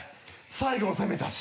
最後は攻めたし。